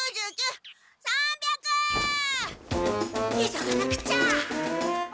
急がなくっちゃ！